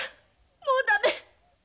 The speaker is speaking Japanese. もう駄目。